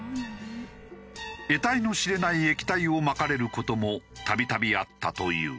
得体の知れない液体をまかれる事も度々あったという。